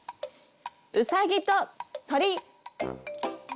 うさぎと鳥。